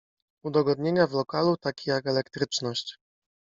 Udogodnienia w lokalu takie jak elektryczność.